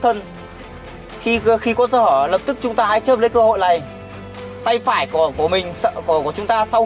thân khi khi có sở lập tức chúng ta hãy chấp lấy cơ hội này tay phải của mình sợ của chúng ta sau